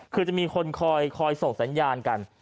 คือจะมีคนคอยส่งสัญญาณกัน